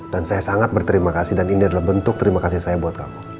dan saya sangat berterima kasih dan ini adalah bentuk terima kasih saya buat kamu